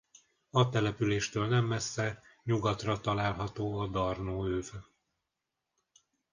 A településtől nem messze Ny-ra található a Darnó-öv.